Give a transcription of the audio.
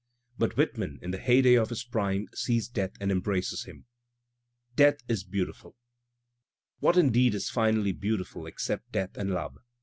But Whitman in the heyday of his prime sees Death and embraces Him. Death is beautiful ... (what indeed is finally beautiful except death and love?)